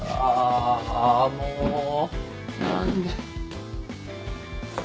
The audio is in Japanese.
あもう何で。